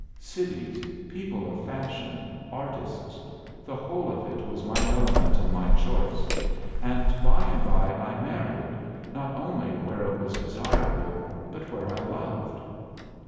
Cities, people of fashion, artists the whole of it was my element and my choice; and by and by I married, not only where it was desirable, but where I loved.